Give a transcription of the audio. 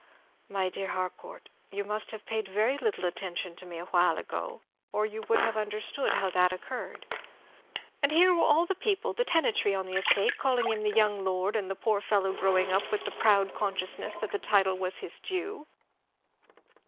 "My dear Harcourt, you must have paid very little attention to me a while ago, or you would have understood how that occurred." "And here were all the people, the tenantry on the estate, calling him the young lord, and the poor fellow growing up with the proud consciousness that the title was his due."